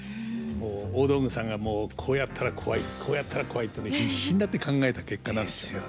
大道具さんがもうこうやったらコワいこうやったらコワいっていうの必死になって考えた結果なんですよ。